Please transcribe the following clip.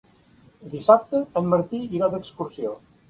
Dissabte en Martí irà d'excursió.